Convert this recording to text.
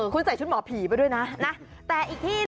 คุณใส่ชุดหมอผีไปด้วยนะนะแต่อีกที่